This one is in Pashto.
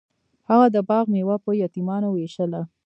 هغه د باغ میوه په یتیمانو ویشله.